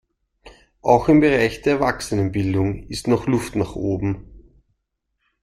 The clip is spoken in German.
Auch im Bereich der Erwachsenenbildung ist noch Luft nach oben.